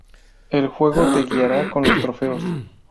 El juego te guiará con los trofeos.